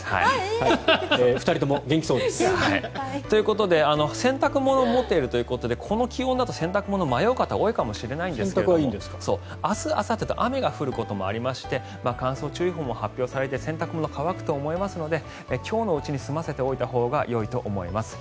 ２人とも元気そうです。ということで洗濯物を持っているということでこの気温だと洗濯物、迷う方多いかもしれないですが明日あさってと雨が降ることもありまして乾燥注意報も発表されて洗濯物、乾くと思いますので今日のうちに済ませておいたほうがよいと思います。